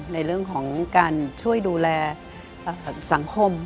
ในเรื่องของการช่วยดูแลสังคม